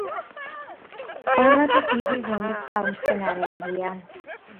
ყველაზე დიდი ზომის წყალმცენარეებია.